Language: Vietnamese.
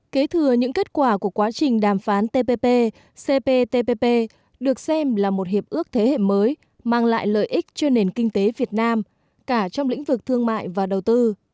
kế thừa những kết quả của quá trình đàm phán tppp cptpp được xem là một hiệp ước thế hệ mới mang lại lợi ích cho nền kinh tế việt nam cả trong lĩnh vực thương mại và đầu tư